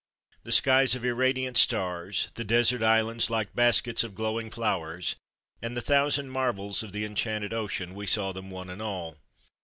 The skies of irradiant stars, the desert islands like baskets of glowing flowers, and the thousand marvels of the enchanted ocean we saw them one and all.